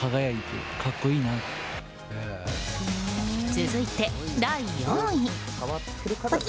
続いて第４位。